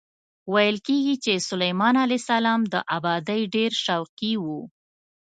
ویل کېږي چې سلیمان علیه السلام د ابادۍ ډېر شوقي و.